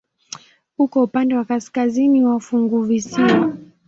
Uko upande wa kaskazini wa funguvisiwa.